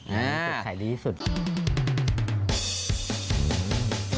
พัฒนามาเรื่อยจนถึงตอนนี้